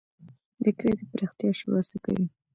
د کلي د پراختیا شورا څه کوي؟